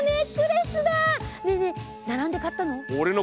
ねえねえ並んで買ったの？